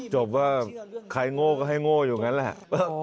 จบว่าใครโง่ก็ให้โง่อยู่อย่างนั้นแหละ